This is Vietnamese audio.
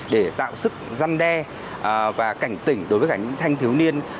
để tạo sức gian đe và cảnh tỉnh đối với cả những thanh thiếu niên